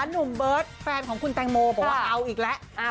หนุ่มเบิร์ตแฟนของคุณแตงโมบอกว่าเอาอีกแล้ว